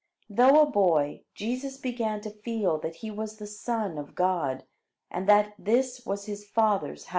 Though a boy, Jesus began to feel that he was the Son of God, and that this was his Father's house.